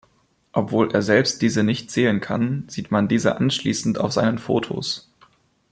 Obwohl er selbst diese nicht sehen kann, sieht man diese anschließend auf seinen Fotos.